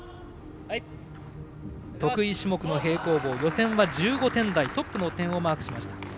得意種目の平行棒予選は１５点台でトップの点をマークしました。